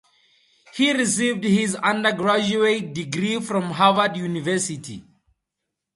He received his undergraduate degree from Harvard University.